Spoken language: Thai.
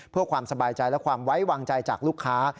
เพื่อความสบายใจและความไว้วางใจจากลูกค้า